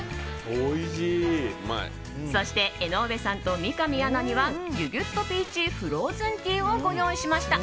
そして江上さんと三上アナにはぎゅぎゅっとピーチフローズンティーをご用意しました。